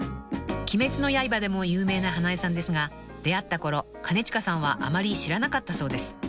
［『鬼滅の刃』でも有名な花江さんですが出会ったころ兼近さんはあまり知らなかったそうです］